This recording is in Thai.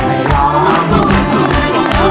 ผู้ที่ร้องได้ให้ร้อง